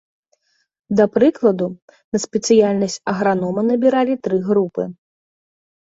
Да прыкладу, на спецыяльнасць агранома набіралі тры групы.